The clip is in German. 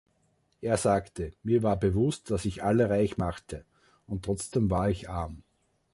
Er sagte: „Mir war bewusst, dass ich alle reich machte. Und trotzdem war ich arm.“